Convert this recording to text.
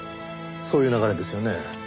そういう流れですよね？